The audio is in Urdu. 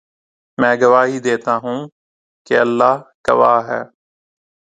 میں گواہی دیتا ہوں کہ اللہ گواہ ہے